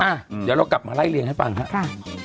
อ่ะเดี๋ยวเรากลับมาไล่เรียงให้ฟังครับ